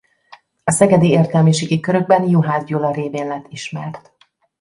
A szegedi értelmiségi körökben Juhász Gyula révén lett ismert.